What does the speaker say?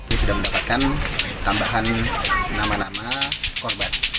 ini sudah mendapatkan tambahan nama nama korban